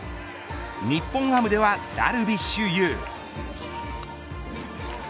日本ハムではダルビッシュ有。